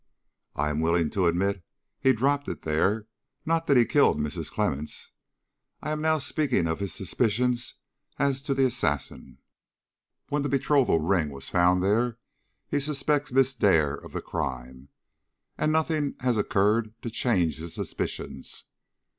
"I am willing to admit he dropped it there, not that he killed Mrs. Clemmens. I am now speaking of his suspicions as to the assassin. When the betrothal ring was found there, he suspects Miss Dare of the crime, and nothing has occurred to change his suspicions."